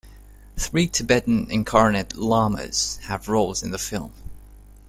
Three Tibetan incarnate lamas have roles in the film.